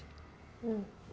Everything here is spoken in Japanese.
うん。